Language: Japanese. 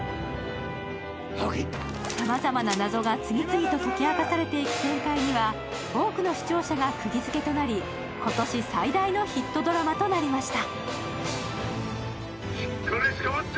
さまざまな謎が次々と解き明かされていく展開には、多くの視聴者がくぎ付けとなり今年最大のヒットドラマとなりました。